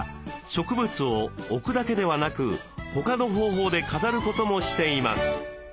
植物を置くだけではなく他の方法で飾ることもしています。